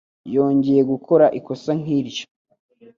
Yongeye gukora ikosa nk'iryo.